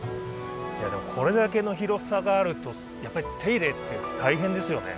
これだけの広さがあるとやっぱり手入れって大変ですよね。